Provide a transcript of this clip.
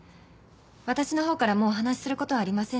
私のほうからもうお話しする事はありませんので。